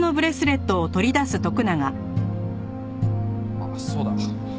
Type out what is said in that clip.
あっそうだ。